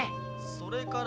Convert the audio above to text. それから。